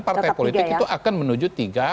partai politik itu akan menuju tiga